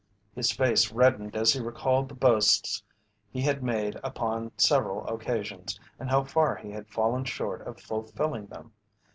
His face reddened as he recalled the boasts he had made upon several occasions and how far he had fallen short of fulfilling them.